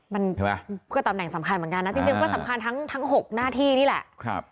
มันใช่ไหมก็ตำแหน่งสำคัญเหมือนกันนะจริงก็สำคัญทั้ง๖หน้าที่นี่แหละ